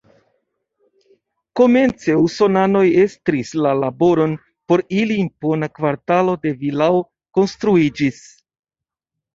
Komence usonanoj estris la laboron, por ili impona kvartalo de vilaoj konstruiĝis.